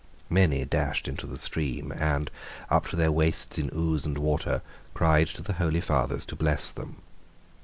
Many dashed into the stream, and, up to their waists in ooze and water, cried to the holy fathers to bless them.